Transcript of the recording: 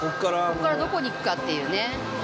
ここからどこに行くかっていうね。